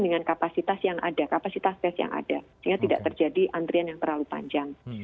dengan kapasitas yang ada kapasitas tes yang ada sehingga tidak terjadi antrian yang terlalu panjang